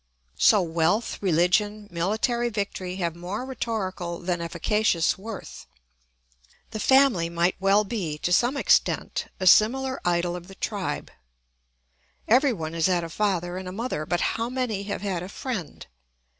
So wealth, religion, military victory have more rhetorical than efficacious worth. The family might well be, to some extent, a similar idol of the tribe. Everyone has had a father and a mother; but how many have had a friend?